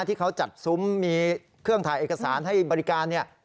ที่เขาจัดซุ้มมีเครื่องถ่ายเอกสารให้บริการเนี่ย